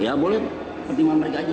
ya boleh pertimbangan mereka aja